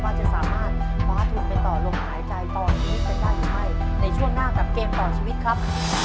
ว่าจะสามารถฟ้าทุนไปต่อลงหายใจต่อชีวิตได้ไหมในช่วงหน้ากับเกมต่อชีวิตครับ